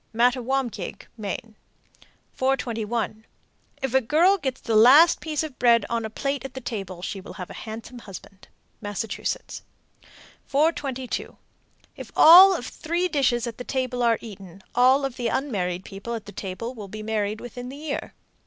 Mattawamkeag, Me. 421. If a girl gets the last piece of bread on a plate at the table, she will have a handsome husband. Massachusetts. 422. If all of three dishes at the table are eaten, all of the unmarried people at the table will be married within the year.